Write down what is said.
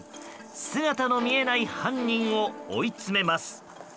姿の見えない犯人を追い詰めます。